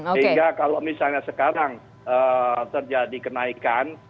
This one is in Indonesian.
sehingga kalau misalnya sekarang terjadi kenaikan